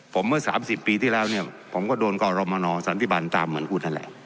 ผมเมื่อ๓๐ปีที่แล้วเนี่ยผมก็โดนกรมนสันติบันตามเหมือนคุณนั่นแหละ